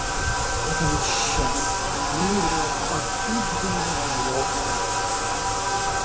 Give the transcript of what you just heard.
И эта несчастная, милая, погубленная лошадь!